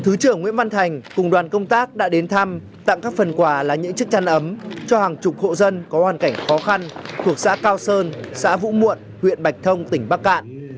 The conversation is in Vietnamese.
thứ trưởng nguyễn văn thành cùng đoàn công tác đã đến thăm tặng các phần quà là những chiếc chăn ấm cho hàng chục hộ dân có hoàn cảnh khó khăn thuộc xã cao sơn xã vũ muộn huyện bạch thông tỉnh bắc cạn